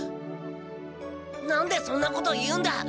何でそんなこと言うんだ！